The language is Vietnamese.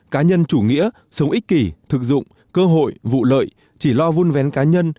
cá nhân chủ nghĩa sống ích kỷ thực dụng cơ hội vụ lợi chỉ lo vun vén cá nhân